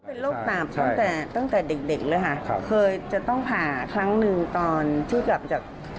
เป็นโรคหนาบตั้งแต่ตั้งแต่เด็กเด็กเลยค่ะครับเคยจะต้องผ่าครั้งหนึ่งตอนที่กลับจาก